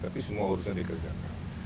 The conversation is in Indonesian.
tapi semua urusan dikerjakan